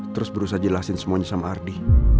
terus berusaha jelasin semuanya sama ardi